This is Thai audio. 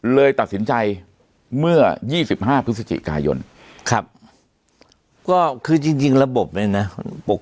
เลยตัดสินใจเมื่อ๒๕พฤศจิกายนครับก็คือจริงระบบเนี่ยนะ